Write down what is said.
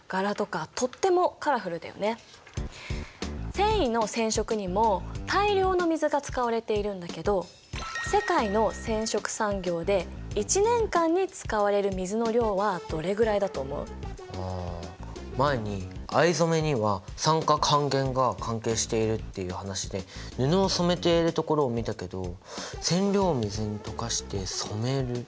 繊維の染色にも大量の水が使われているんだけどあ前に藍染めには酸化・還元が関係しているっていう話で布を染めているところを見たけど染料を水に溶かして染める？